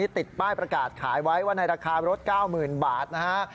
ติดป้ายประกาศขายไว้ว่าในราคารถ๙๐๐๐บาทนะฮะ